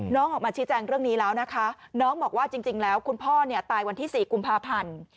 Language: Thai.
น้องออกมาชี้แจงเรื่องนี้แล้วนะคะน้องบอกว่าจริงแล้วคุณพ่อเนี่ยตายวันที่๔กุมภาพันธ์